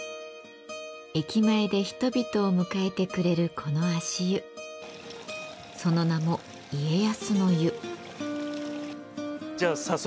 駅前で人々を迎えてくれるこの足湯その名もじゃあ早速。